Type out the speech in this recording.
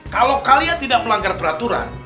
kalau kalian tidak melanggar peraturan